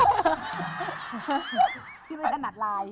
ที่ไม่ถนัดลาย